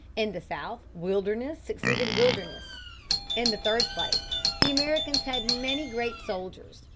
In the South wilderness succeeded wilderness. In the third place, the Americans had many great soldiers.